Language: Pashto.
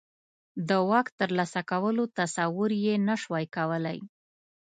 د واک ترلاسه کولو تصور یې نه شوای کولای.